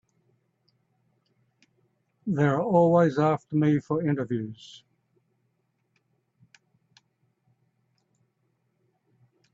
They're always after me for interviews.